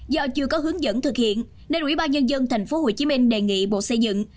do chưa có hướng dẫn thực hiện nên ubnd tp hcm đề nghị bộ xây dựng